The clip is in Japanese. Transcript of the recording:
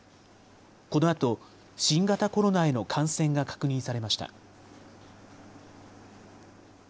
このあと新型コロナへの感染が確認されました。